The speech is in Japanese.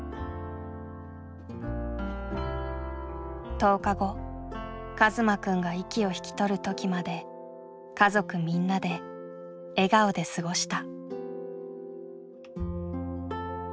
１０日後一馬くんが息を引き取る時まで家族みんなで笑顔で過ごした。